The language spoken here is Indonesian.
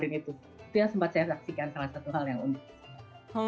itu yang sempat saya saksikan salah satu hal yang unik